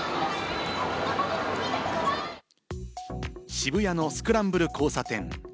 渋谷のスクランブル交差点。